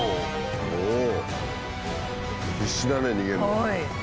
おお必死だね逃げるの。